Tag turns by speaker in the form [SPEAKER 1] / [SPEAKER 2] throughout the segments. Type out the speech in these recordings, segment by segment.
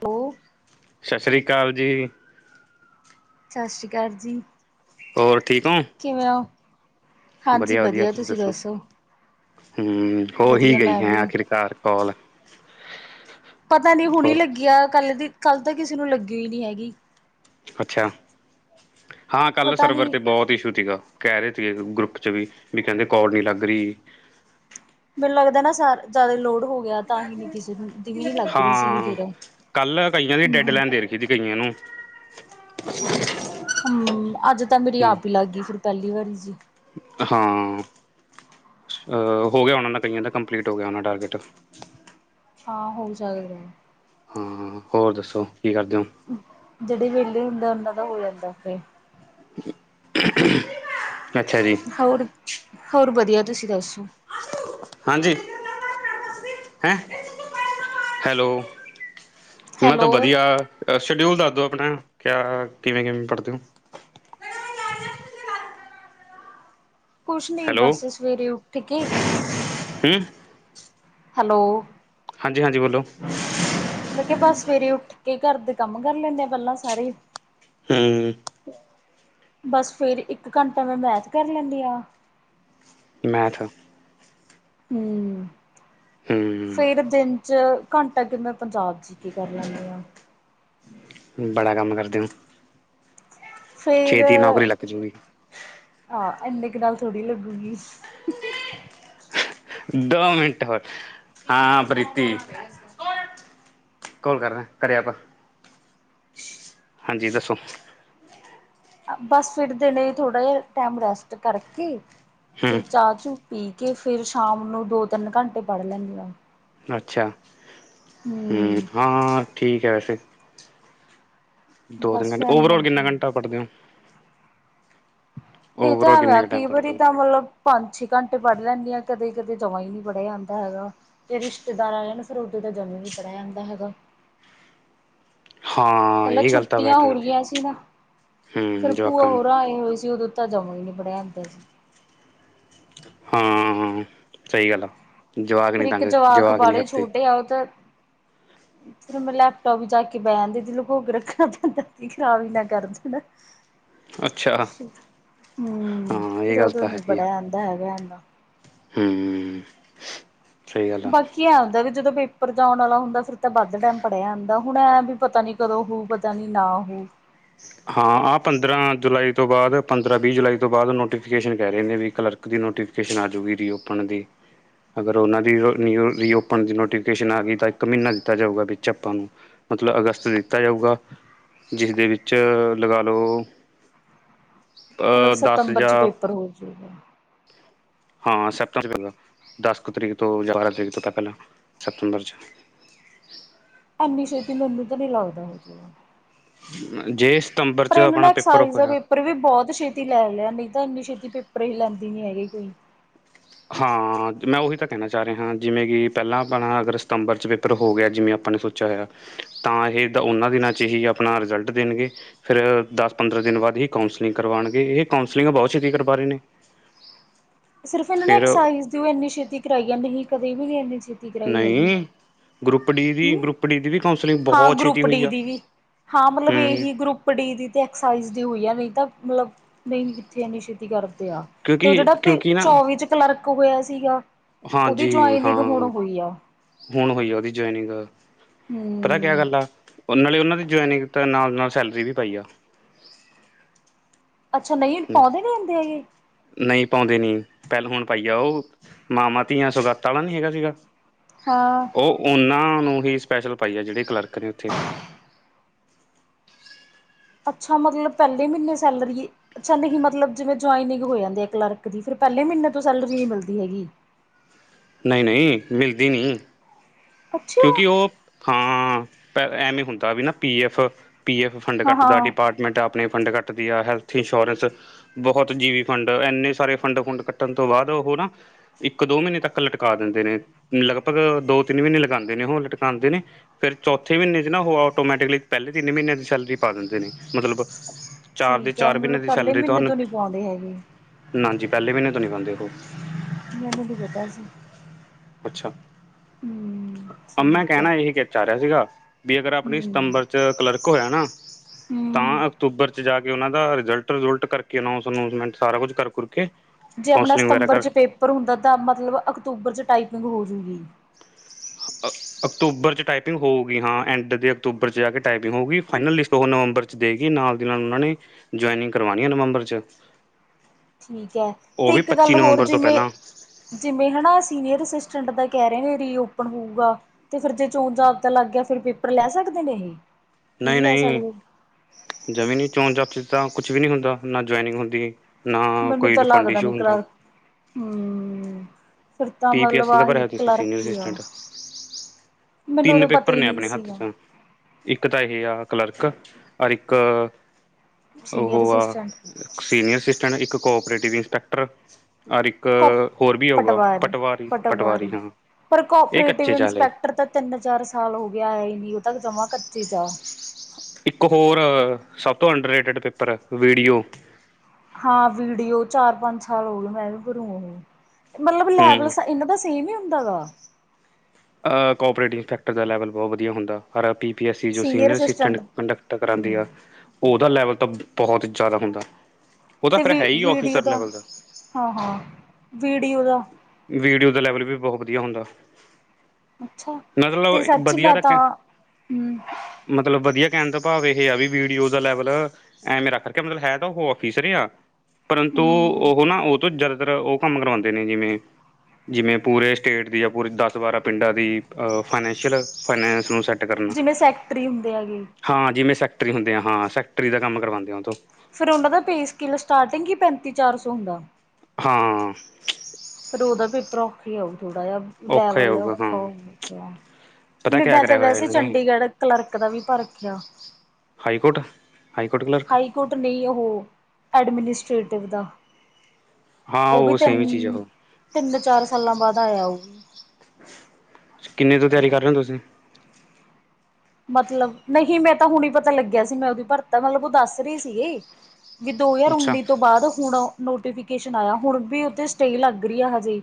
[SPEAKER 1] Hello
[SPEAKER 2] ਸਤਿ ਸ੍ਰੀ ਅਕਾਲ ਜੀ।
[SPEAKER 1] ਸਤਿ ਸ਼੍ਰੀ ਅਕਾਲ ਜੀ।
[SPEAKER 2] ਹੋਰ ਠੀਕ ਹੋ,
[SPEAKER 1] ਕਿਵੇਂ ਹੋ।, ਹਾਂਜੀ ਵਧੀਆ ਤੁਸੀਂ ਦੱਸੌ?
[SPEAKER 2] ਹਮ ਹੋ ਹੀ ਗਈ
[SPEAKER 1] ਮੈਂ
[SPEAKER 2] ਹੈ,
[SPEAKER 1] ਵੀ
[SPEAKER 2] ਆਖਿਰ ਕਾਰ ਕੋਲ।
[SPEAKER 1] ਪਤਾ ਨੀ ਹੁਣੀ ਲੱਗਿਆ, ਕੱਲ ਦੀ ਕੱਲ ਤਾਂ ਕਿਸੇ ਨੂੰ ਲੱਗੀ ਹੀ ਨੀ ਹੈਗੀ।
[SPEAKER 2] ਅੱਛਾ ਹਾਂ ਕੱਲ,
[SPEAKER 1] ਪਤਾ ਨੀ
[SPEAKER 2] ਸਰਵਰ ਤੇ ਬਹੁਤ ਇਸ਼ੂ ਸੀਗਾ, ਕਹਿ ਰਹੇ ਸੀ। ਗਰੁੱਪ ਚ ਵੀ ਕਹਿੰਦੇ, ਕੌੜੀ, ਨੀ ਲੱਗ ਰਹੀ,
[SPEAKER 1] ਮੈਨੂੰ ਲੱਗਦਾ ਨਾ, ਸ ਜਿਆਦਾ ਲੋਡ ਹੋ ਗਿਆ। ਤਾਂ ਹੀ ਨੀ ਕਿਸੇ ਨੂੰ ਦੀ ਵੀ ਨੀ ਲੱਗ ਰਹੀ ਸੀਗੀ
[SPEAKER 2] ਹਾਂ
[SPEAKER 1] ਫਿਰ
[SPEAKER 2] ਕੱਲ, ਕਈਆਂ ਦੀ ਡੈਡ
[SPEAKER 1] ਹਮ
[SPEAKER 2] ਲੈਨ ਦੇ ਰਖੀ ਸੀ ਕਈਆਂ ਨੂੰ।
[SPEAKER 1] ਹਮ, ਅੱਜ ਤਾਂ ਮੇਰੀ
[SPEAKER 2] ਹਮ
[SPEAKER 1] ਆਪ ਹੀ, ਲੱਗ ਗਈ ਫਿਰ ਪਹਿਲੀ ਵਾਰੀ ਜੀ,
[SPEAKER 2] ਹਾਂ ਅ ਹੋ ਗਿਆ, ਉਹਨਾਂ ਦਾ ਕਈਆਂ ਦਾ ਕੰਪਲੀਟ ਹੋ ਗਿਆ, ਉਹਨਾਂ ਦਾ ਟਾਰਗੇਟ।
[SPEAKER 1] ਹਾਂ ਹੋ ਚੱਲ
[SPEAKER 2] ਹਾਂ। ਹੋਰ ਦੱਸੋ, ਕੀ ਕਰਦੇ ਓ?
[SPEAKER 1] ਜਿਹੜੇ, ਵਿਹਲੇ ਹੁੰਦੇ, ਉਹਨਾਂ ਦਾ ਹੋ ਜਾਂਦਾ ਫਿਰ
[SPEAKER 2] ਅੱਛਾ ਜੀ‌।
[SPEAKER 1] ਹੋਰ -ਹੋਰ ਵਧੀਆ ਤੁਸੀਂ ਦੱਸੋ?
[SPEAKER 2] ਹਾਂਜੀ, ਹੈਂ, ਹੈਲੋ। ਮੈਂ
[SPEAKER 1] ਹੈਲੋ
[SPEAKER 2] ਤਾਂ ਵਧੀਆ, ਸ਼ਡਿਊਲ ਦੱਸਦੋ ਆਪਣਾ ਕਿਆ ਕਿਵੇਂ -ਕਿਵੇਂ ਪੜ੍ਹਦੇ ਹੋ?
[SPEAKER 1] ਕੁਛ ਨੀ,
[SPEAKER 2] ਹੈਲੋ
[SPEAKER 1] ਬੱਸ ਸਵੇਰੇ ਉੱਠ ਕੇ
[SPEAKER 2] ਹੂੰ
[SPEAKER 1] ਹੈਲੋ।
[SPEAKER 2] ਹਾਂਜੀ- ਹਾਂਜੀ ਬੋਲੋ?
[SPEAKER 1] ਮੈਂ ਕਿਹਾ, ਬਸ ਸਵੇਰੇ ਉੱਠ ਕੇ ਘਰ ਦੇ ਕੰਮ, ਕਰ ਲੈਨੇ ਆ ਪਹਿਲਾਂ ਸਾਰੇ।
[SPEAKER 2] ਹੂੰ,
[SPEAKER 1] ਬਸ ਫੇਰ, ਇੱਕ ਘੰਟਾ ਮੈਂ ਮੈਥ ਕਰ ਲੈਂਨੀ ਆ।
[SPEAKER 2] ਮੈਥ।
[SPEAKER 1] ਹੂੰ
[SPEAKER 2] ਹੂੰ
[SPEAKER 1] ਫੇਰ, ਦਿਨ ਚ ਘੰਟਾ ਕਿਵੇਂ ਪੰਜਾਬ ਤੁਸੀਂ ਕੀ ਕਰ ਲੈਂਦੇ ਹੋ?
[SPEAKER 2] ਬੜਾ ਕੰਮ ਕਰਦੇ ਹੋ।
[SPEAKER 1] ਫੇਰ,
[SPEAKER 2] ਛੇਤੀ ਨੌਕਰੀ ਲੱਗ ਜੂਗੀ
[SPEAKER 1] ਆਹ ਇੰਨੇ ਕੁ, ਨਾਲ ਥੋੜੀ ਲੱਗੂਗੀ।
[SPEAKER 2] ਦੋ ਮਿੰਟ, ਹੋਰ, ਹਾਂ ਪ੍ਰੀਤੀ ਕੋਲ ਰਹਾ, ਕਰਿਆ ਕਰ। ਹਾਂਜੀ, ਦੱਸੋ?
[SPEAKER 1] ਆਪਾ ਬਸ, ਫਿਰ ਦੇ ਲਈ ਥੋੜਾ ਜਿਹਾ ਟਾਈਮ ਰੈਸਟ ਕਰਕੇ, ਫਿਰ
[SPEAKER 2] ਹੂੰ
[SPEAKER 1] ਚਾਹ ਚੂ ਪੀ ਕੇ, ਫੇਰ ਸ਼ਾਮ ਨੂੰ, ਦੋ- ਤਿੰਨ ਘੰਟੇ ਪੜ੍ਹ ਲੈਂਦੇ ਆ।
[SPEAKER 2] ਅੱਛਾ। ਹੂੰ, ਹਾਂ ਠੀਕ ਹੈ ਵੈਸੇ। ਦੋ -ਤਿੰਨ
[SPEAKER 1] ਬਸ ਫਿਰ
[SPEAKER 2] ਘੰਟੇ।, ਔਵਰ
[SPEAKER 1] ਇੰਨਾ
[SPEAKER 2] ਆਲ
[SPEAKER 1] ਕੀ
[SPEAKER 2] ਕਿੰਨਾ ਘੰਟਾ
[SPEAKER 1] ਹੁੰਦਾ।
[SPEAKER 2] ਪੜ੍ਹਦੇ ਹੋ?
[SPEAKER 1] ਇਹ ਤਾਂ
[SPEAKER 2] ਓਵਰਆਲ ਕਿੰਨੇ
[SPEAKER 1] ਐਵੇਂ,
[SPEAKER 2] ਕੁ ਟਾਈਮ
[SPEAKER 1] ਕਈ ਵਾਰੀ
[SPEAKER 2] ਪੜ੍ਹਦੇ ਹੋ
[SPEAKER 1] ਏਦਾਂ ਮਤਲਬ ਪੰਜ ਛੇ ਘੰਟੇ ਪੜ੍ਹ ਲੈਂਦੇ ਆਾ, ਕਦੇ -ਕਦੇ ਜਮਾਂ ਹੀ ਨਹੀਂ ਪੜ੍ਹਿਆ ਜਾਂਦਾ ਹੈਗਾ। ਤੇ, ਰਿਸ਼ਤੇਦਾਰ ਆਏ ਨਾ, ਫਿਰ ਉਦੋਂ ਤਾਂ ਜੰਮ ਹੀ ਪੜ੍ਹਿਆ ਜਾਂਦਾ ਹੈਗਾ।
[SPEAKER 2] ਹਾਂ
[SPEAKER 1] ਪਹਿਲਾਂ
[SPEAKER 2] ਇਹ ਗੱਲ ਤਾਂ
[SPEAKER 1] ਛੁੱਟੀਆਂ
[SPEAKER 2] ਮੈਟਰ
[SPEAKER 1] ਹੋ
[SPEAKER 2] ਕਰਦੀ ਆ
[SPEAKER 1] ਰਹੀਆਂ ਸੀ ਨਾ,
[SPEAKER 2] ਹੂੰ
[SPEAKER 1] ਫਿਰ ਭੂਆ
[SPEAKER 2] ਜਵਾਕਾਂ ਨੂੰ
[SPEAKER 1] ਹੋਰ ਆਏ ਹੋਏ ਸੀ ਉਦੋਂ। ਤਾਂ ਜਮੋਂ ਹੀ ਨਹੀਂ ਪੜ੍ਹਿਆਦੇ ਸੀ।
[SPEAKER 2] ਹਾਂ, ਸਹੀ ਗੱਲ ਆ। ਜਵਾਕ
[SPEAKER 1] ਫਿਰ
[SPEAKER 2] ਨੀ
[SPEAKER 1] ਇੱਕ
[SPEAKER 2] ਤੰਗ
[SPEAKER 1] ਜਵਾਕ
[SPEAKER 2] ਨੀ
[SPEAKER 1] ਬਾਲੇ
[SPEAKER 2] ਹਟਦੇ
[SPEAKER 1] ਛੋਟੇ ਆ ਉਹ ਤਾਂ। ਫੇਰ ਮੈਂ ਲੈਪਟੋਪ ਵੀ ਜਾ ਕੇ ਬਹ ਅੰਦੀ, ਲੂਕੋ ਕੇ ਰੱਖਣਾ ਪੈਂਦਾ, ਜੀ ਖਰਾਬ ਹੀ ਨਾ ਕਰ ਦੇਣ। [unintelligible]
[SPEAKER 2] ਅੱਛਾ ਹਾਂ
[SPEAKER 1] ਹੂੰ, [unintelligible]
[SPEAKER 2] ਇਹ ਗੱਲ
[SPEAKER 1] ਉਦੋਂ
[SPEAKER 2] ਤਾਂ
[SPEAKER 1] ਨੀ
[SPEAKER 2] ਹੈਗੀ ਆ
[SPEAKER 1] ਬੜਾ ਆਹਦਾ ਹੈਗਾ ਇਦਾ
[SPEAKER 2] ਹੂੰ, ਸਹੀ ਗੱਲ ਆ।
[SPEAKER 1] ਕੀ ਐ ਹੁੰਦਾ ਵੀ, ਜਦੋਂ ਪੇਪਰ ਜਾਣ ਆਲਾ ਹੁੰਦਾ ਫਿਰ ਤਾਂ ਵੱਧ ਟਾਈਮ ਪੜ੍ਹਿਆ ਹੋਂਦਾ, ਹੁਣ ਐਂ ਵੀ ਪਤਾ ਨੀ। ਕਦੋਂ ਹਉ ਪਤਾ ਨੀ ਨਾ ਹੋਊ।
[SPEAKER 2] ਹਾਂ, ਆਹ ਪੰਦਰਾਂ ਜੁਲਾਈ ਤੋਂ ਬਾਅਦ, ਪੰਦਰਾਂ ਵੀਹ ਜੁਲਾਈ ਤੋਂ ਬਾਅਦ, ਨੋਟੀਫਿਕੇਸ਼ਨ ਕਹਿ ਰਹੇ ਨੇ ਵੀ ਕਲਰਕ। ਨੋਟੀਫਿਕੇਸ਼ਨ ਆਜੁਗੀ ਰੀ ਓਪਨ ਦੀ। ਅਗਰ ਉਹਨਾਂ ਦੀ ਰਿਓਪਨ ਦੀ ਨੋਟੀਫਿਕੇਸ਼ਨ ਆ ਗਈ ਤਾਂ ਇੱਕ ਮਹੀਨਾ ਦਿੱਤਾ ਜਾਊਗਾ ਵਿੱਚ ਆਪਾਂ ਨੂੰ। ਮਤਲਬ ਅਗਸਤ ਚ ਦਿੱਤਾ ਜਾਊਗਾ, ਜਿਹਦੇ ਵਿੱਚ ਲਗਾ ਲਓ।
[SPEAKER 1] ਮਤਲਬ
[SPEAKER 2] ਦਸ
[SPEAKER 1] ਸਤੰਬਰ
[SPEAKER 2] ਜਾਂ
[SPEAKER 1] ਚ ਪੇਪਰ ਹੋਜੂਗਾ।
[SPEAKER 2] ਹਾਂ, ਸੈਪਟਨ [unintelligible] ਦਸ ਕੁ ਤਰੀਕ ਤੋਂ ਜਾਂ ਬਾਰਾਂ ਤਰੀਕ ਤੋਂ ਤਾਂ ਪਹਿਲਾਂ। ਸੈਪਤੰਬਰ ਵਿੱਚ।
[SPEAKER 1] ਇੰਨੀ ਛੇਤੀ ਮੈਨੂੰ ਤਾਂ ਨੀ ਲੱਗਦਾ ਹੋ ਜੂਗਾ।
[SPEAKER 2] ਜੇ ਸਤੰਬਰ 'ਚ
[SPEAKER 1] ਪਰਿੰਟ [unintelligible]
[SPEAKER 2] ਆਪਣਾ ਪੇਪਰ
[SPEAKER 1] ਐਕਸਾਈਜ਼ ਦਾ
[SPEAKER 2] ਹੋਇਆ
[SPEAKER 1] ਪੇਪਰ ਵੀ ਬਹੁਤ ਛੇਤੀ। ਛੇਤੀ [unintelligible] ਲੈ ਲਿਆ ਨਹੀਂ ਤਾਂ ਇੰਨੀ ਛੇਤੀ ਪੇਪਰ ਹੀ ਲੈਂਦੀ ਨੀ ਹੈਗੀ ਕੋਈ।
[SPEAKER 2] ਹਾਂ, ਮੈਂ ਉਹੀ ਤਾਂ ਕਹਿਣਾ ਚਾ ਰਿਹਾ, ਜਿਵੇਂ ਕਿ ਪਹਿਲਾਂ ਆਪਾਂ ਅਗਰ ਸਤੰਬਰ ਚ ਪੇਪਰ ਹੋ ਗਿਆ ਜਿਵੇਂ। ਆਪਾਂ ਨੇ ਸੋਚਿਆ ਹੋਇਆ ਤਾਂ ਇਹਦਾ ਉਹਨਾਂ ਦਿਨਾਂ ਵਿੱਚ ਹੀ ਆਪਣਾ ਰਿਜ਼ਲਟ ਦੇਣਗੇ। ਫਿਰ ਦਸ ਪੰਦਰਾਂ ਦਿਨ ਬਾਦ ਹੀ ਕੋਂਸਲਿੰਗ ਕਰਵਾਉਣਗੇ। ਇਹ ਕੋਂਸਲਿੰਗ ਬਹੁਤ ਛੇਤੀ ਕਰਵਾ ਰਹੇ ਨੇ।
[SPEAKER 1] ਸਿਰਫ ਇਹਨਾਂ ਨੇ
[SPEAKER 2] ਫਿਰ
[SPEAKER 1] ਐਕਸਾਈਜ਼ ਦੀ ਏਨੀ ਛੇਤੀ ਕਰਾਈ ਹੈ, ਨਹੀਂ ਕਦੇ ਵੀ ਨਹੀਂ ਏਨੀ ਛੇਤੀ ਕਰਾਈ ਹੈਗੀ।
[SPEAKER 2] ਨਹੀਂ ਗਰੁੱਪ ਡੀ। ਦੀ
[SPEAKER 1] ਹੂੰ,
[SPEAKER 2] ਗਰੁੱਪ ਡੀ ਦੀ ਵੀ ਕਾਉਂਸਲਿੰਗ
[SPEAKER 1] ਹਾਂ
[SPEAKER 2] ਬਹੁਤ ਛੇਤੀ
[SPEAKER 1] ਗਰੁੱਪ
[SPEAKER 2] ਹੋਈ
[SPEAKER 1] ਡੀ
[SPEAKER 2] ਆ
[SPEAKER 1] ਦੀ ਵੀ। ਹਾਂ, ਮਤਲਬ
[SPEAKER 2] ਹਮ
[SPEAKER 1] ਇਹੀ ਗਰੁੱਪ। ਪ ਡੀ ਤੇ ਐਕਰਸਾਈਜ਼ ਦੀ ਹੋਈ ਆ, ਨਹੀਂ ਤਾਂ ਮਤਲਬ, ਨਹੀਂ ਕਿੱਥੇ ਇੰਨੀ ਛੇਤੀ ਕਰਦੇ ਆ। ਤੇ ਉਹ
[SPEAKER 2] ਕਿਉਂਕਿ
[SPEAKER 1] ਜਿਹੜਾ
[SPEAKER 2] ਕਿਉਂਕਿ ਨਾ
[SPEAKER 1] ਚੌਵੀ ਚ ਕਲਰਕ ਹੋਇਆ ਸੀਗਾ, ਉਹਦੀ
[SPEAKER 2] ਹਾਂਜੀ ਹਾਂ
[SPEAKER 1] ਜਆਇਨਿੰਗ ਹੁਣ ਹੋਈ ਆ।
[SPEAKER 2] ਹੁਣ ਹੋਈ ਆ ਉਹਦੀ ਜੁਆਇਨਿੰਗ, ਪਤਾ ਕਿਆ
[SPEAKER 1] ਹਮ
[SPEAKER 2] ਗੱਲ ਆ। ਉਹਨਾਂ ਨੇ ਉਹਨਾਂ ਦੀ ਜੁਆਇਨਿੰਗ ਤੇ ਨਾਲ ਨਾਲ ਸੈਲਰੀ ਵੀ ਪਾਈ ਆ।
[SPEAKER 1] ਅੱਛਾ ਨਹੀਂ ਪਾਉਂਦੇ ਨੀ ਹੁੰਦੇ ਏ
[SPEAKER 2] ਨਹੀਂ ਪਾਉਂਦੇ ਨੀ, ਪਹਿਲ ਹੁਣ ਪਾਈ ਆ, ਉਹ ਮਾਵਾਂ ਧੀਆਂ ਸਗਾਤਾਂ ਵਾਲਾ ਨੀ ਹੈਗਾ ਸੀਗਾ।
[SPEAKER 1] ਹਾਂ।
[SPEAKER 2] ਉਹ ਉਹਨਾਂ ਨੂੰ ਹੀ ਸਪੈਸ਼ਲ ਪਾਈ ਆ, ਜਿਹੜੇ ਕਲਰਕ ਨੇ ਉੱਥੇ।
[SPEAKER 1] ਅੱਛਾ, ਮਤਲਬ, ਪਹਿਲੇ ਮਹੀਨੇ ਸੈਲਰੀ। ਅੱਛਾ ਨਹੀਂ ਮਤਲਬ ਜਿਵੇਂ ਜੁਆਇਨਿੰਗ ਹੋ ਜਾਂਦੀ ਹੈ ਕਲਰਕ ਦੀ, ਫਿਰ ਪਹਿਲੇ ਮਹੀਨੇ ਤੋਂ ਸੈਲਰੀ ਨੀ ਮਿਲਦੀ ਹੈਗੀ।
[SPEAKER 2] ਨਹੀਂ - ਨਹੀਂ, ਮਿਲਦੀ ਨਹੀਂ।
[SPEAKER 1] ਅੱਛਾ
[SPEAKER 2] ਕਿਉਂਕਿ ਉਹ ਹਾਂ ਪ ਐਵੇਂ ਹੁੰਦਾ ਵੀ ਨਾ ਪੀ-ਐੱਫ, ਪੀ - ਐਫ। ਫੰਡ
[SPEAKER 1] ਹਾਂ
[SPEAKER 2] ਕੱਟਦਾ,
[SPEAKER 1] ਹਾਂ
[SPEAKER 2] ਡਿਪਾਰਟਮੈਂਟ ਆਪਣੇ ਫੰਡ ਕੱਟਦੀ ਆ, ਹੈਲਥ ਇੰਸ਼ੋਰਸ ਬਹੁਤ ਜੀਵੀ ਫੰਡ, ਇੰਨੇ ਸਾਰੇ ਫੰਡ ਫੁੰਡ ਕੱਟਣ ਤੋਂ ਬਾਦ ਉਹ ਨਾ। ਇੱਕ ਦੋ ਮਹੀਨੇ ਤੱਕ ਲਟਕਾ ਦਿੰਦੇ ਨੇ, ਲਗਭਗ ਦੋ ਤਿੰਨ ਮਹੀਨੇ ਲਗਾਉਂਦੇ ਨੇ ਉਹ ਲਟਕਾਉਂਦੇ ਨੇ। ਫਿਰ ਚੌਥੇ ਮਹੀਨੇ ਚ ਨਾ ਉਹ ਆਟੋਮੈਟਿਕਲੀ ਪਹਿਲੇ ਤਿੰਨ ਮਹੀਨੇ ਦੀ ਸੈਲਰੀ ਪਾ ਦਿੰਦੇ ਨੇ ਮਤਲਬ। ਚਾਰ ਦੇ
[SPEAKER 1] ਠੀਕ ਹੈ
[SPEAKER 2] ਚਾਰ ਮਹੀਨੇ
[SPEAKER 1] ਮਤਲਬ
[SPEAKER 2] ਦੀ
[SPEAKER 1] ਪਹਿਲੇ
[SPEAKER 2] ਸੈਲਰੀ
[SPEAKER 1] ਮਹੀਨੇ
[SPEAKER 2] ਤੁਹਾਨੂੰ।
[SPEAKER 1] ਤੋਂ ਨੀ ਪਾਉਂਦੇ ਹੈਗੇ
[SPEAKER 2] ਨਾਂਜੀ, ਪਹਿਲੇ ਮਹੀਨੇ ਤੋਂ ਨੀ ਪਾਉਦੇ ਉਹ
[SPEAKER 1] ਮੈਨੂੰ ਨੀ ਪਤਾ ਸੀ।
[SPEAKER 2] ਅੱਛਾ।
[SPEAKER 1] ਹੂੰ।
[SPEAKER 2] ਅ ਮੈਂ
[SPEAKER 1] ਠੀਕ ਹੈ
[SPEAKER 2] ਕਹਿਣਾ ਇਹੀ ਆ ਰਿਹਾ ਸੀਗਾ, ਵੀ ਅਗਰ ਆਪਣੀ
[SPEAKER 1] ਹੂੰ
[SPEAKER 2] ਸਤੰਬਰ ਚ ਕਲਰਕ ਹੋਇਆ ਨਾ।
[SPEAKER 1] ਹੂੰ
[SPEAKER 2] ਤਾਂ ਅਕਤੂਬਰ ਚ ਜਾ ਕੇ। ਉਹਨਾਂ ਦਾ ਰਿਜਲਟ ਰੂਜਲਟ ਕਰਕੇ ਅਨਾਊਸ ਅਨਾਊਸਮੈਂਟ ਸਾਰਾ ਕੁੱਛ ਕਰ ਕੁਰ ਕੇ।
[SPEAKER 1] ਜੇ ਆਪਣਾ
[SPEAKER 2] ਕਾਉਂਸਲਿੰਗ ਵਗੈਰਾ
[SPEAKER 1] ਸਤੰਬਰ
[SPEAKER 2] ਕਰ
[SPEAKER 1] ਚ ਪੇਪਰ ਹੁੰਦਾ ਤਾਂ ਮਤਲਬ ਅਕਤੂਬਰ ਚ ਟਾਈਪ ਹੋ ਜੂਗੀ।
[SPEAKER 2] [inaudible] ਅਕਤੂਬਰ 'ਚ ਟਾਈਪਿੰਗ ਹੋਊਗੀ ਹਾਂ, ਐਂਡ ਦੇ ਅਕਤੂਬਰ 'ਚ ਜਾ ਕੇ ਟਾਈਪਿੰਗ ਹੋਊਗੀ ਫਾਈਨਲ ਲਿਸਟ ਓ ਨਵੰਬਰ ਚ ਦੇਗੀ ਨਾਲ ਦੀ ਨਾਲ ਓਨਾਂ ਨੇ, ਜੁਆਇਨਿੰਗ ਕਰਵਾਨੀ ਆ ਨਵੰਬਰ ਚ।
[SPEAKER 1] ਠੀਕ ਐ,
[SPEAKER 2] ਉਹ
[SPEAKER 1] ਤੇ
[SPEAKER 2] ਵੀ
[SPEAKER 1] ਇੱਕ ਗੱਲ
[SPEAKER 2] ਪੱਚੀ
[SPEAKER 1] ਹੋਰ
[SPEAKER 2] ਨਵੰਬਰ ਤੋਂ
[SPEAKER 1] ਜਿਮੇਂ
[SPEAKER 2] ਪਹਿਲਾਂ
[SPEAKER 1] ਜਿਮੇਂ ਹਣਾ, ਸੀਨੀਅਰ ਅਸਿਸਟੈਂਟ ਦਾ ਕੈ ਰੇ ਨੇ ਰੀਓਪਨ ਹੂਗਾ। ਤੇ ਫੇਰ ਜੇ ਚੋਨ ਜਾ ਪਤਾ ਲਾੱਗ ਗੇਆ ਫੇਰ ਪੇਪਰ ਲੈ ਸਕਦੇ ਨੇ ਏਹੇ
[SPEAKER 2] ਨਈ-ਨਈ, ਜਵੇਂ ਨੀ ਚੋਨ ਜਾਪ ਕੀਤਾ ਕੁਛ ਵੀ ਨੀ ਹੁੰਦਾ ਨਾ ਜੁਆਇਨਿੰਗ ਹੁੰਦੀ। ਨਾ, ਕੋਈ ਰਿਫੰਡ ਇਸ਼ੂ ਹੁੰਦਾ।
[SPEAKER 1] ਹੂੰ, ਫਿਰ ਤਾਂ
[SPEAKER 2] ਪੀ ਪੀ ਐੱਸ
[SPEAKER 1] ਮੱਲਬ
[SPEAKER 2] ਸੀ ਦਾ
[SPEAKER 1] ਆਹੀ
[SPEAKER 2] ਭਰਿਆ ਤੁਸੀਂ ਸੀਨੀਅਰ
[SPEAKER 1] ਕਲਰਕ ਈ ਆ।
[SPEAKER 2] ਅਸਿਸਟੈਂਟ
[SPEAKER 1] ਮੈਨੂੰ
[SPEAKER 2] ਤਿੰਨ
[SPEAKER 1] ਓਦੋਂ ਪਤਾ
[SPEAKER 2] ਪੇਪਰ
[SPEAKER 1] ਈ
[SPEAKER 2] ਨੇ
[SPEAKER 1] ਨੀ
[SPEAKER 2] ਆਪਣੇ ਹੱਥ
[SPEAKER 1] ਸੀਗਾ।
[SPEAKER 2] 'ਚ ਇੱਕ ਤਾਂ ਏਹ ਆ ਕੱਲਰਕ, ਅਰ ਇੱਕ
[SPEAKER 1] ਸੀਨੀਅਰ
[SPEAKER 2] ਓਹ ਆ
[SPEAKER 1] ਅਸਿਸਟੈਂਟ
[SPEAKER 2] ਸੀਨੀਅਰ ਅਸਿਸਟੈਂਟ ਇੱਕ ਕੋਪਰੇਟਿਵ ਇੰਸਪੈਕਟਰ, ਅਰ ਇੱਕ
[SPEAKER 1] ਕੋ
[SPEAKER 2] ਹੋਰ ਬੀ ਆਊਗਾ।
[SPEAKER 1] ਪਟਵਾਰੀ
[SPEAKER 2] ਪਟਵਾਰੀ-ਪਟਵਾਰੀ,
[SPEAKER 1] ਪਟਵਾਰੀ
[SPEAKER 2] ਹਾਂ।
[SPEAKER 1] ਪਰ
[SPEAKER 2] ਇਹ
[SPEAKER 1] ਕੋਪਰੇਟਿਵ
[SPEAKER 2] ਕੱਚੇ ਚਾਲੇ
[SPEAKER 1] ਇੰਸਪੈਕਟਰ ਤਾਂ ਤੇੱਨ-ਚਾਰ ਸਾਲ਼ ਹੋ ਗੇਆ ਆਯਾ ਈ ਨੀ ਓ ਤਾ ਜਮਾ ਕੱਚੇ ਆ
[SPEAKER 2] ਇੱਕ ਹੋਰ, ਸਬ ਤੋਂ ਅੰਡਰਰੇਟਿੜ ਪੇਪਰ ਵੀੜੀਓ
[SPEAKER 1] ਹਾਂ, ਵੀੜੀਓ ਚਾਰ-ਪਾੰਜ ਸਾਲ਼ ਹੋ ਗੇ ਮੈਂ ਵੀ ਭਰੂ ਓਹੋ। ਮਲਬ
[SPEAKER 2] ਹੂੰ
[SPEAKER 1] ਲੈਵਲ ਸ ਇਨਾਂ ਦਾ ਸੇਮ ਹੀ ਹੁੰਦਾ ਗਾ?
[SPEAKER 2] ਅ, ਕੋਪਰੇਟਿਵ ਈਂਸਪੈਕਟਰ ਦਾ ਲੈਵਲ ਬੋਹ ਵਦੀਆ ਹੁੰਦਾ। ਪਰ ਆ ਪੀ ਪੀ ਐੱਸ ਸੀ ਜੋ ਸੀਨੀਅਰ ਸਿਟੀਨ, ਕੰਡਕਟ ਕਰਾਂਦੀ
[SPEAKER 1] ਹਮ
[SPEAKER 2] ਆ ਓਦਾ ਲੈਵਲ ਤਾਂ ਅ, ਬੋਹਤ ਈ ਜਾਦਾ ਹੁੰਦਾ। ਉਹ ਤਾਂ
[SPEAKER 1] ਤੇ
[SPEAKER 2] ਫਿਰ
[SPEAKER 1] ਵੀ
[SPEAKER 2] ਹੈ ਹੀ
[SPEAKER 1] ਵੀੜੀਓ
[SPEAKER 2] ਔਫਿਸਰ
[SPEAKER 1] ਦਾ
[SPEAKER 2] ਲੈਵਲ
[SPEAKER 1] ਹਾਂ-ਹਾਂ, ਵੀੜੀਓ ਦਾ?
[SPEAKER 2] ਵੀਡੀਓ ਦਾ ਲੈਵਲ ਵੀ ਬਹੋ ਬਦੀਆ ਹੁੰਦਾ।
[SPEAKER 1] ਅੱਛਾ, ਤੇ
[SPEAKER 2] ਮਤਲਬ
[SPEAKER 1] ਸਾੱਚ
[SPEAKER 2] ਵਧੀਆ
[SPEAKER 1] ਮੈਂ ਤਾਂ, ਹੂੰ
[SPEAKER 2] ਮਤਲਬ ਬਦੀਆ ਕੈਣ ਦਾ ਭਾਵ ਏਹ ਆ ਵੀ, ਵੀੜੀਓ ਦਾ ਲੈਵਲ ਐਂ ਮੇਰਾ ਕਰਕੇ ਮਤਲਬ ਹੈ ਤਾਂ ਓਹ ਔਫੀਸਰੇ ਆ, ਪਰੰਤੂ
[SPEAKER 1] ਹੂੰ
[SPEAKER 2] ਓਹ ਨਾ ਓਹ ਤੋਂ ਜਦਤਰ ਓ ਕੰਮ ਕਰਾਂਓਦੇ ਨੇ ਜਿਮੇਂ, ਜਿਮੇਂ ਪੂਰੇ ਸਟੇਟ ਦੀ ਯਾ ਪੂਰੀ ਦਸ-ਬਾਰਾਂ ਪਿੰਡਾਂ ਦੀ ਅ, ਫਾਈਨੈਂਸ਼ੀਅਲ ਫਨੈਂਸ ਨੂੰ ਸੈਟ
[SPEAKER 1] ਜਿਮੇਸੈਕਟ੍ਰੀ ਹੁੰਦੇ ਆਗੇ।
[SPEAKER 2] ਹਾਂ ਜਿਮੇ ਸੈਕਟ੍ਰੀ ਹੁੰਦੇ ਆ ਹਾਂ, ਸੈਕਟ੍ਰੀ ਦਾ ਕਾੰਮ ਕਰਵਾਂਦੇ ਆਂ ਓਤੋਂ।
[SPEAKER 1] ਫੇਰ ਓਨਾਂ ਦਾ ਬੇਸ ਕਿਨਾਂ ਸਟਾਟਿੰਗ ਈ ਪੈਂਤੀ-ਚਾਰ ਸੌ ਹੁੰਦਾ?
[SPEAKER 2] ਹਾਂ।
[SPEAKER 1] ਫੇਰ ਓਦਾ ਪੇਪਰ ਔਖਾ ਈ ਆਊ ਥੋੜਾ ਜੇਆ
[SPEAKER 2] ਔਖਾ ਹੀ
[SPEAKER 1] ਲੈਵਲ
[SPEAKER 2] ਹੋਊਗਾ ਹਾਂ
[SPEAKER 1] ਔਖਾ ਹੋਊਗਾ।
[SPEAKER 2] ਪਤਾ
[SPEAKER 1] ਨਈ
[SPEAKER 2] ਕਿਆ
[SPEAKER 1] ਮੈਂ ਤ
[SPEAKER 2] ਕਰਿਆ ਹੋਇਆ
[SPEAKER 1] ਵੈਸੇ
[SPEAKER 2] ਇਹਨਾਂ ਨੇ
[SPEAKER 1] ਚੰਡੀਗੜ੍ਹ ਕਲਰਕ ਦਾ ਵੀ ਭਾਰ ਰਖੇਆ।
[SPEAKER 2] High court, high court clerk?
[SPEAKER 1] ਕੋਟ ਨਈ ਓਹ, ਐਡਮਿਨਿਸਟਟਿਵ ਦਾ।
[SPEAKER 2] ਹਾਂ
[SPEAKER 1] ਓ ਵੀ
[SPEAKER 2] ਉਹ
[SPEAKER 1] ਤੇ
[SPEAKER 2] ਸੇਮ ਹੀ ਚੀਜ਼ ਆ
[SPEAKER 1] ਮ
[SPEAKER 2] ਉਹ
[SPEAKER 1] ਤਿੰਨ-ਚਾਰ ਸਾਲਾਂ ਬਾਦ ਆਯਾ ਆਊਗੀ।
[SPEAKER 2] ਕਿੰਨੇ ਤੋਂ ਤੇਆਰੀ ਕਾਰ ਰੇ ਓ ਤੁਸੀਂ?
[SPEAKER 1] ਮਤਲਬ, ਨਹੀਂ ਮੈਂ ਤਾਂ ਹੁਣੀ ਪਤਾ ਲੱਗੇਆ ਸੀ ਮੈਂ ਓਦੀ ਭਰਤਾ ਮਲਬ ਓ ਦਾੱਸ ਰੀ ਸੀਗੀ। ਵੀ ਦੋ ਹਜਾਰ
[SPEAKER 2] ਅੱਛਾ
[SPEAKER 1] ਉੱਨੀ ਤੋਂ ਬਾਦ ਹੁਣ ਓ, ਨੋਟੀਫਿਕੇਸ਼ਨ ਆਯਾ ਹੁਣ ਬੀ ਓਤੇ ਸਟੇ ਲਾੱਗ ਰ ਆ ਹਜੇ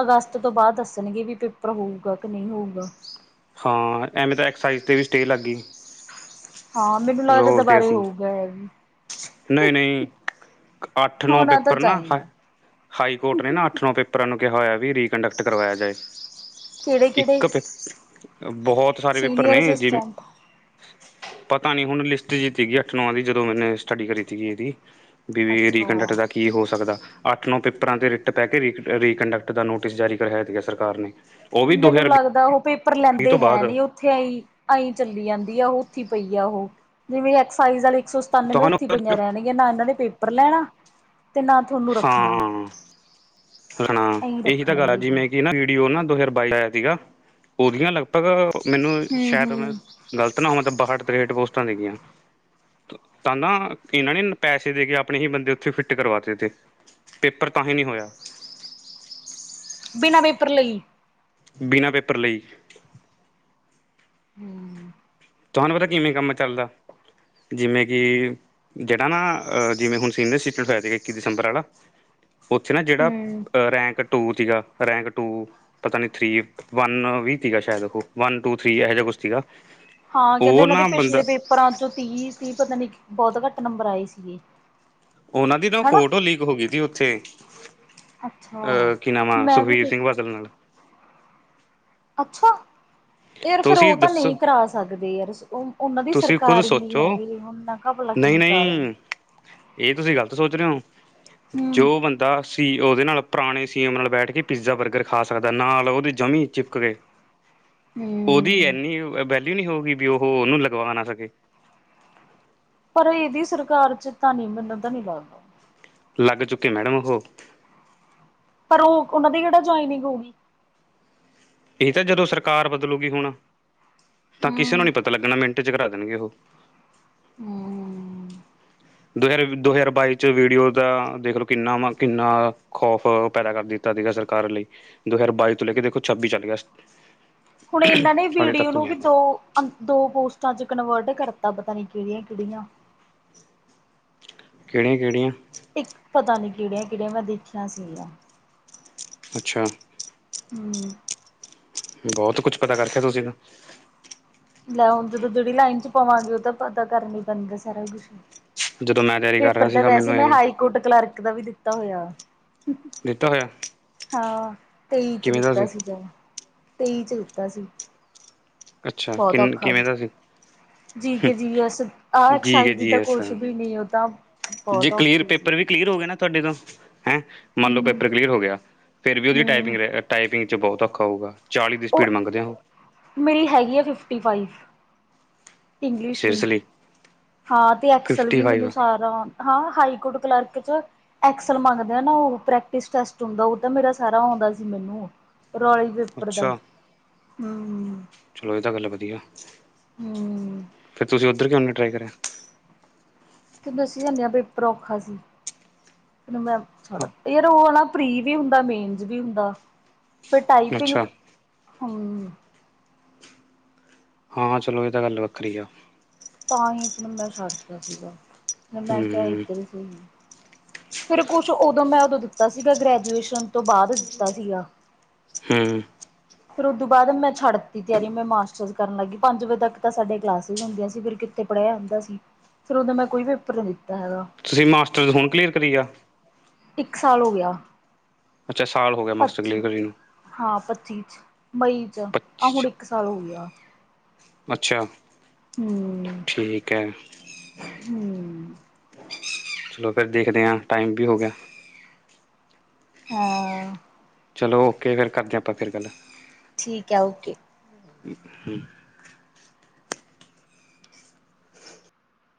[SPEAKER 1] ਅਗਾਸਤ ਤੋਂ ਬਾਦ ਦੱਸਣਗੇ ਵੀ ਪੇਪਰ ਹੋਊਗਾ ਕ ਨਈ ਹੋਊਗਾ।
[SPEAKER 2] ਹਾਂ, ਐਵੇਂ ਤਾਂ ਐਕਸਸਾਈਜ਼ ਤੇ ਵੀ ਸਟੇਅ ਲਾੱਗ ਗੀ।
[SPEAKER 1] ਹਾਂ, ਮੈਨੂੰ ਲਾੱਗਦਾ ਦਬਾਰੇ ਹੋਊਗਾ ਐ ਵੀ।
[SPEAKER 2] ਨਈ-ਨਈ, ਕੈ ਆੱਠ-ਨੌ
[SPEAKER 1] ਹੋਣਾ ਤਾਂ
[SPEAKER 2] ਪੇਪਰ ਨਾ ਹਾ
[SPEAKER 1] ਚਾਹੀਦਾ
[SPEAKER 2] ਹਾਈ ਕੋਟ ਨੇ ਨਾ ਆੱਠ-ਨੌਂ ਪੇਪ ਪਰਾਂ ਨੂੰ ਕੇਹਾ ਹੋਏਆ ਵੀ ਏ ਰੀਕੰਡਕਟ ਕਰਵਾਏਆ ਜਾਏ,
[SPEAKER 1] ਕਿਹੜੇ ਕਿਹੜੇ
[SPEAKER 2] ਇੱਕ ਪੇਪ ਬਹੋ ਤ ਸਾਰੇ ਪੇਪਰ
[SPEAKER 1] ਸੀਨੀਅਰ
[SPEAKER 2] ਨੇ ਜੀ
[SPEAKER 1] ਅਸਿਸਟੈਂਟ
[SPEAKER 2] ਪਤਾ ਨੀ ਹੁਣ ਲਿਸਟ ਜੀ ਤੀਗੀ ਅੱਠ-ਨੌ ਦੀ, ਜਦੋਂ ਮੈਨੇ, ਸਟੱੜੀ ਕਰੀ ਤੀਗੀ ਏਦੀ। ਬੀ ਬੇਰੀ ਕੰਡਕਟ
[SPEAKER 1] ਅੱਛਾ
[SPEAKER 2] ਦਾ ਕੀ ਹੋ ਸਾਕਦਾ। ਆੱਠ-ਨੌ ਪੇਪਰਾਂ ਤੇ ਰਿਟ ਪੈ ਕੇ ਰੀ, ਰੀਕੰਡਕਟ ਦਾ ਨੋਟਿਸ ਜਾਰੀ ਕਰੇਆ ਹੋਯਾ ਤੀ ਸਰਕਾਰ ਨੇ। ਉਹ ਵੀ ਦੋ
[SPEAKER 1] ਮੈਨੂੰ
[SPEAKER 2] ਹਜ਼ਾਰ
[SPEAKER 1] ਲਾੱਗਦਾ ਓਹ ਪੇਪਰ
[SPEAKER 2] ਵੀਹ
[SPEAKER 1] ਲੈਂਦੇ
[SPEAKER 2] ਤੋਂ
[SPEAKER 1] ਹੈ
[SPEAKER 2] ਬਾਅਦ
[SPEAKER 1] ਨੀ ਓਥੇ ਆਂਈ, ਆਂਈ ਚੱਲੀ ਜਾਂਦੀ ਆ ਓਹ ਓਥੇ ਈ ਪਈ ਆ ਓਹ ਜਿਵੇਂ ਐਕਸਸਾਈਜ਼ ਆਲੇ਼ ਇੱਕ ਸੌ ਸਤਾਨਵੇਂ
[SPEAKER 2] ਤੁਹਾਨੂੰ
[SPEAKER 1] ਉੱਥੇ ਪਈਆਂ ਰਹਿਣਗੀਆਂ ਨਾ ਇਹਨਾਂ ਨੇ ਪੇਪਰ ਲੈਣਾ ਤੇ ਨਾ ਤੁਹਾਨੂੰ ਰੱਖਣਾ।
[SPEAKER 2] ਹ ਇਹੀ ਤਾਂ ਗੱਲ ਆ
[SPEAKER 1] ਰੱਖਣਗੇ ਇਹ
[SPEAKER 2] ਜਿਵੇਂ ਕਿ ਨਾ ਵੀਡੀਓ ਨਾ ਦੋ ਹਜ਼ਾਰ ਬਾਈ ਆਇਆ ਸੀਗਾ ਉਹਦੀਆਂ ਲਗ, ਅਗਰ ਮੈਨੂੰ
[SPEAKER 1] ਹੂੰ
[SPEAKER 2] ਸ਼ਾਇਦ ਮੈਂ
[SPEAKER 1] ਹੂੰ
[SPEAKER 2] ਗ਼ਲਤ ਨਾ ਹੋਵਾਂ ਤੇ। ਬਾਹਠ ਤ੍ਰੇਹਠ ਪੋਸਟਾਂ ਨਿਕਲੀਆਂ। ਨਾ ਨਾ ਇਹਨਾਂ ਨੇ ਪੈਸੇ ਦੇ ਕੇ ਆਪਣੇ ਹੀ ਬੰਦੇ ਉੱਥੇ ਫਿੱਟ ਕਰਵਾਤੇ ਤੇ ਪੇਪਰ ਤਾਂ ਹੀ ਨਹੀਂ ਹੋਇਆ।
[SPEAKER 1] ਬਿਨਾਂ ਪੇਪਰ ਲਈ,
[SPEAKER 2] ਬਿਨਾਂ ਪੇਪਰ ਲਈ।
[SPEAKER 1] [unintelligible]
[SPEAKER 2] ਤੁਹਾਨੂੰ ਪਤਾ ਕਿਵੇਂ ਕੰਮ ਚੱਲਦਾ ਜਿਵੇਂ ਕਿ ਜਿਹੜਾ ਨਾ। ਜਿਵੇਂ ਹੁਣ ਸੀਨੀਅਰ ਸਿਟੀਜਨ ਹੋਆ ਸੀ ਇੱਕੀ ਦਸੰਬਰ ਆਲਾ। ਉੱਥੇ ਨਾ ਜਿਹੜਾ ਰੈਂਕ ਟੂ ਸੀਗਾ ਰੈਂਕ, ਟੂ ਪਤਾ ਨੀ ਥ੍ਰਰੀ ਵੰਨ ਵੀ ਸੀਗਾ ਸ਼ਾਇਦ ਉਹ ਵਨ ਟੂ ਥ੍ਰਰੀ ਇਹੋ ਜਿਹਾ ਕੁਛ ਸੀਗਾ,
[SPEAKER 1] ਹਾਂ ਕਹਿੰਦੇ
[SPEAKER 2] ਉਹ
[SPEAKER 1] ਉਹਨਾਂ ਦੇ
[SPEAKER 2] ਨਾ
[SPEAKER 1] ਪਿਛਲੇ
[SPEAKER 2] ਬੰਦਾ
[SPEAKER 1] ਪੇਪਰਾਂ ਚੋਂ ਤੀਹ ਤੀਹ ਪਤਾ ਨੀ ਬਹੁਤ ਘੱਟ ਨੰਬਰ ਆਏ ਸੀਗੇ,
[SPEAKER 2] ਉਹਨਾਂ ਦੀ ਨਾ।
[SPEAKER 1] ਹਨਾ
[SPEAKER 2] ਫੋਟੋ ਲੀਕ ਹੋ ਗਈ ਸੀ ਉੱਥੇ।
[SPEAKER 1] ਅੱਛਾ
[SPEAKER 2] ਅਹ ਕੀ ਨਾਮ ਆ
[SPEAKER 1] ਮੈਂ ਵੀ
[SPEAKER 2] ਸੁਖਬੀਰ
[SPEAKER 1] ਦੇਖ
[SPEAKER 2] ਸਿੰਘ ਬਾਦਲ ਨਾਲ,
[SPEAKER 1] ਅੱਛਾ। ਯਾਰ ਫਿਰ
[SPEAKER 2] ਤੁਸੀਂ
[SPEAKER 1] ਉਹ ਤਾਂ
[SPEAKER 2] ਦੱਸੋ
[SPEAKER 1] ਨਹੀਂ ਕਰਾ ਸਕਦੇ। ਯਾਰ ਉਹ? ਉਹਨਾਂ ਦੀ
[SPEAKER 2] ਤੁਸੀਂ ਖੁਦ
[SPEAKER 1] ਸਰਕਾਰ ਹੀ ਨੀ
[SPEAKER 2] ਸੋਚੋ
[SPEAKER 1] ਹੈਗੀ, ਹੁਣ ਨਾਕਾ ਭਲਾ
[SPEAKER 2] ਨਹੀਂ
[SPEAKER 1] ਕਿਵੇਂ ਕਰਾ ਦਾਂਗੇ।
[SPEAKER 2] ਨਹੀਂ ਇਹ ਤੁਸੀਂ ਗਲਤ ਸੋਚ ਰਹੇ ਹੋ
[SPEAKER 1] ਹਮ
[SPEAKER 2] ਜੋ ਬੰਦਾ, ਸੀ ਉਹਦੇ ਨਾਲ ਪੁਰਾਣੇ ਸੀਮ ਨਾਲ ਬੈਠ ਕੇ ਪੀਜ਼ਾ ਬਰਗਰ ਖਾ ਸਕਦਾ ਨਾਲ ਉਹਦੀ ਜਮੀ ਚਿਪਕੇ ਏ,
[SPEAKER 1] ਹੂੰ
[SPEAKER 2] ਉਹਦੀ ਐੰਨੀ ਵੈਲਿਊ ਨਹੀਂ ਹੋਊਗੀ ਵੀ ਉਹ ਉਹਨੂੰ ਲਗਵਾ ਨਾ ਸਕੇ,
[SPEAKER 1] ਪਰ ਇਹਦੀ ਸਰਕਾਰ ਚ ਤਾਂ ਨਹੀਂ। ਮੈਨੂੰ ਤਾਂ ਨਹੀਂ ਲੱਗਦਾ।
[SPEAKER 2] ਲੱਗ ਚੁੱਕੇ ਮੈਡਮ ਉਹ
[SPEAKER 1] ਪਰ ਉਹ। ਉਹਨਾਂ ਦੀ ਕਿਹੜਾ ਜੁਆਇਨਿੰਗ ਹੋ ਗਈ।
[SPEAKER 2] ਇਹ ਤਾਂ ਜਦੋਂ ਸਰਕਾਰ ਬਦਲੂਗੀ ਹੁਣ। ਤਾਂ ਕਿਸੇ ਨੂੰ
[SPEAKER 1] ਹਮ
[SPEAKER 2] ਨਹੀ ਪਤਾ ਲੱਗਣਾ ਮਿੰਟ ਚ ਕਰ? ਨਂਗੇ ਹੋ ਕੇ।
[SPEAKER 1] ਹੂੰ
[SPEAKER 2] ਦੋ ਹਜ਼ਾਰ ਦੋ ਹਜ਼ਾਰ ਬਾਈ 'ਚ ਵੀਡੀਓ ਦਾ ਦੇਖ ਲਓ। ਕਿੰਨਾ ਮ ਕਿੰਨਾ ਖੌਫ ਪੈਦਾ ਕਰ ਦਿੱਤਾ। ਸਾਡੀ ਗਾਲ ਸਰਕਾਰ ਲਈ। ਦੋ ਹਜ਼ਾਰ ਬਾਈ ਤੋਂ ਲੈ ਕੇ ਦੇਖੋ ਛੱਬੀ ਚੱਲ ਗਿਆ।
[SPEAKER 1] ਹੁਣ ਇਹਨਾਂ ਨੇ।
[SPEAKER 2] ਹਾਲੇ
[SPEAKER 1] ਵੀਡੀਓ
[SPEAKER 2] ਤੱਕ
[SPEAKER 1] ਨੂੰ
[SPEAKER 2] ਨਹੀਂ
[SPEAKER 1] ਵੀ
[SPEAKER 2] ਆਇਆ
[SPEAKER 1] ਦੋਸ਼ੀ? ਦੋ ਪੋਸਟਾਂ ਚ ਕਨਵਰਟ ਕਰਤਾ। ਪਤਾ ਨੀ ਕਿਹੜੀਆਂ, ਕਿਹੜੀਆਂ।
[SPEAKER 2] ਕਿਹੜੀਆਂ, ਕਿਹੜੀਆਂ।
[SPEAKER 1] ਇੱਕ ਪਤਾ ਨੀ। ਕਿਹੜੀਆਂ, ਕਿਹੜੀਆਂ ਮੈਂ ਦੇਖਿਆ ਸੀਗਾ।
[SPEAKER 2] ਅੱਛਾ।
[SPEAKER 1] [unintelligible]
[SPEAKER 2] ਬਹੁਤ ਕੁਛ ਪਤਾ ਕਰਕੇ ਆ ਤੁਸੀਂ ਤਾਂ,
[SPEAKER 1] ਲੈਣ ਜਦੋਂ ਜਿਹੜੀ ਲਾਈਨ ਚ ਪਾਵਾਂਗੇ ਉਹ ਤਾਂ ਪਤਾ ਕਰਨੀ ਪੈਂਦਾ ਸਾਰਾ ਕੁਛ,
[SPEAKER 2] ਜਦੋਂ ਮੈਂ ਤਿਆਰੀ ਕਰ
[SPEAKER 1] ਪੇਪਰ
[SPEAKER 2] ਰਿਹਾ
[SPEAKER 1] ਤਾਂ
[SPEAKER 2] ਸੀਗਾ
[SPEAKER 1] ਵੈਸੇ
[SPEAKER 2] ਮੈਨੂੰ
[SPEAKER 1] ਮੈਂ
[SPEAKER 2] ਐਵੇਂ
[SPEAKER 1] ਹਾਈ ਕੋਰਟ ਕਲਰਕ ਦਾ ਵੀ ਦਿੱਤਾ ਹੋਇਆ।
[SPEAKER 2] ਦਿੱਤਾ ਹੋਇਆ।
[SPEAKER 1] ਹਾਂ ਤੇਈ ਚ
[SPEAKER 2] ਕਿਵੇਂ ਦਾ
[SPEAKER 1] ਦਿੱਤਾ
[SPEAKER 2] ਸੀ
[SPEAKER 1] ਸੀਗਾ। ਤੇਈ ਚ ਦਿੱਤਾ ਸੀ।
[SPEAKER 2] ਅੱਛਾ ਕਿੰਨ ਕਿਵੇਂ ਦਾ ਸੀ।
[SPEAKER 1] ਜੀਕ ਜੀ ਆਹ
[SPEAKER 2] ਜੀ ਕੇ
[SPEAKER 1] ਐਕਸਾਈਜ਼ ਦੀ
[SPEAKER 2] ਜੀ
[SPEAKER 1] ਤਾਂ
[SPEAKER 2] ਐਸ
[SPEAKER 1] ਕੁਛ ਵੀ ਨਹੀਂ ਉਹ ਤਾਂ,
[SPEAKER 2] ਜੇ
[SPEAKER 1] ਬਹੁਤ
[SPEAKER 2] ਕਲੀਅਰ
[SPEAKER 1] ਔਖੀ ਸੀ।
[SPEAKER 2] ਪੇਪਰ ਵੀ ਕਲੀਅਰ ਹੋ ਗਏ ਨਾ ਤੁਹਾਡੇ ਤਾਂ, ਹੈਂ ਮੰਨ ਲਓ
[SPEAKER 1] ਹੂੰ
[SPEAKER 2] ਪੇਪਰ ਕਲੀਅਰ ਹੋ ਗਿਆ ਫਿਰ ਵੀ ਉਹਦੀ ਟਾਈਪਿੰਗ
[SPEAKER 1] ਹੂੰ
[SPEAKER 2] ਰ ਟਾਈਪਿੰਗ 'ਚ ਬਹੁਤ ਔਖਾ ਹੋਊਗਾ। ਚਾਲੀ ਦੀ
[SPEAKER 1] ਉਹ
[SPEAKER 2] ਸਪੀਡ ਮੰਗਦੇ ਹੋ।
[SPEAKER 1] ਮੇਰੀ ਹੈਗੀ ਹੈ ਫਿਫਟੀ ਫਾਈਵ, ਇੰਗਲਿਸ਼ ਦੀ।
[SPEAKER 2] ਸੀਰੀਅਸਲੀ
[SPEAKER 1] ਹਾਂ ਤੇ ਅਕਸਲ
[SPEAKER 2] ਫਿਫਟੀ
[SPEAKER 1] ਵੀ ਮੈਨੂੰ
[SPEAKER 2] ਫਾਈਵ
[SPEAKER 1] ਸਾਰਾ? ਹਾਂ ਹਾਈ ਕੋਰਟ ਕਲਰਕ ਚ, ਐਕਸਲ ਮੰਗਦੇ ਆ ਨਾ ਉਹ ਪ੍ਰੈਕਟਿਸ ਟੈਸਟ ਹੁੰਦਾ ਉਹ ਮੇਰਾ ਸਾਰਾ ਆਉਂਦਾ ਸੀ ਮੈਨੂੰ ਰੌਲੀ ਪੇਪਰ ਦਾ
[SPEAKER 2] ਅੱਛਾ
[SPEAKER 1] ਹੂੰ,
[SPEAKER 2] ਚਲੋ ਇਹ ਤਾਂ ਗੱਲ ਵਧੀਆ,
[SPEAKER 1] ਹੂੰ
[SPEAKER 2] ਫੇਰ ਤੁਸੀਂ ਉੱਧਰ ਕਿਉਂ ਨੀ ਟਰਾਈ ਕਰਿਆ।
[SPEAKER 1] ਤੂੰ ਦੱਸਿਆ ਤੇ ਹੈ ਪੇਪਰ ਔਖਾ ਸੀ। ਤੈ ਮੈਂ ਛੱਡ
[SPEAKER 2] ਹਾਂ
[SPEAKER 1] ਫੇਰ ਉਹ ਆ ਨਾ। ਪਰੀ ਵੀ ਹੁੰਦਾ, ਮੇਨਜ ਚ ਵੀ ਹੁੰਦਾ ਫੇਰ ਟਾਈਪਿੰਗ,
[SPEAKER 2] ਅੱਛਾ
[SPEAKER 1] ਹੂੰ।
[SPEAKER 2] ਹਾਂ ਚਲੋ, ਇਹ ਤਾਂ ਗੱਲ ਵੱਖਰੀ ਆ।
[SPEAKER 1] ਤਾਂ ਹੀ ਫੇਰ ਮੈਂ ਛੱਡਦਾ ਸੀਗਾ। ਫੇਰ ਮੈਂ ਕਿਹਾ
[SPEAKER 2] ਹੂੰ
[SPEAKER 1] ਇੱਧਰ ਸਹੀ। ਫੇਰ ਕੁਛ ਉਦੋਂ ਮੈਂ, ਉਦੋਂ ਦਿੱਤਾ ਸੀਗਾ। ਗ੍ਰੈਜੂਏਸ਼ਨ ਤੋਂ ਬਾਅਦ ਦਿੱਤਾ ਸੀਗਾ।
[SPEAKER 2] ਹੂੰ।
[SPEAKER 1] ਫੇਰ ਉਹਦੋਂ ਬਾਅਦ ਮੈਂ ਛੱਡ ਦਿੱਤੀ ਤਿਆਰੀ, ਮੈਂ ਮਾਸਟਰਸ ਕਰਨ ਲੱਗ ਗਣੀ। ਪੰਜ ਵਜੇ ਤੱਕ ਤਾਂ ਸਾਡੇ ਕਲਾਸਿਸ ਹੁੰਦੀਆਂ ਸੀ। ਫੇਰ- ਤੇ ਪੜਿਆ ਹੋਂਦਾ ਸੀ, ਫੇਰ ਉਹਦਾ ਮੈਂ ਕੋਈ ਪੇਪਰ ਨਹੀਂ ਦਿੱਤਾ ਹੈਗਾ।
[SPEAKER 2] ਤੁਸੀਂ ਮਾਸਟਰ ਹੁਣ ਕਲੀਅਰ ਕਰੀ ਆ,
[SPEAKER 1] ਇੱਕ ਸਾਲ ਹੋ ਗਿਆ।
[SPEAKER 2] ਅੱਛਾ ਸਾਲ ਹੋ ਗਿਆ, ਮਾਸਟਰ ਕਲੀਅਰ
[SPEAKER 1] ਪੱਚੀ
[SPEAKER 2] ਕਰੇ ਨੂੰ।
[SPEAKER 1] ਹਾਂ ਪੱਚੀ ਚ, ਮਈ ਚ ਆਹ
[SPEAKER 2] ਪੱਚੀ
[SPEAKER 1] ਹੁਣ
[SPEAKER 2] 'ਚ
[SPEAKER 1] ਇੱਕ ਸਾਲ ਹੋ ਗਿਆ।
[SPEAKER 2] ਅੱਛਾ,
[SPEAKER 1] ਹੂੰ
[SPEAKER 2] ਠੀਕ ਹੈ।
[SPEAKER 1] ਹੂੰ
[SPEAKER 2] ਚਲੋ ਫੇਰ ਦੇਖਦੇ ਹਾਂ, ਟਾਈਮ ਵੀ ਹੋ ਗਿਆ।
[SPEAKER 1] ਹਾਂ।
[SPEAKER 2] ਚਲੋ ਓਕੇ। ਫੇਰ ਕਰਦੇ ਹਾਂ ਆਪਾਂ ਫੇਰ ਗੱਲ।
[SPEAKER 1] ਠੀਕ ਹੈ। ਓਕੇ।
[SPEAKER 2] ਹੂੰ।